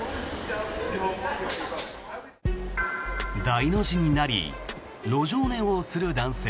大の字になり路上寝をする男性。